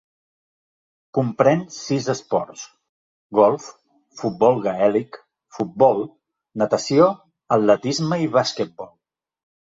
Comprèn sis esports: golf, futbol gaèlic, futbol, natació, atletisme i basquetbol.